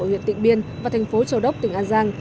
ở huyện tịnh biên và thành phố châu đốc tỉnh an giang